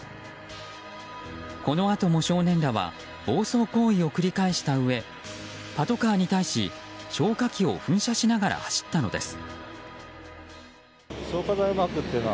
このあとも少年らは暴走行為を繰り返したうえパトカーに対し、消火器を噴射しながら走ったのです。